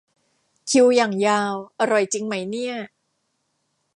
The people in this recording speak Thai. คิวอย่างยาว อร่อยจริงไหมเนี่ย